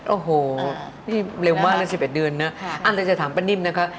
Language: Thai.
โอ้โหเร็วมากแล้ว๑๑เดือนนะอันต่อจะถามป้านิ่มนะคะ